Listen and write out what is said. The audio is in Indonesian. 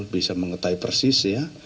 bisa mengetahui persis ya